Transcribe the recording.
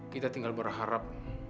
kita tinggal berharap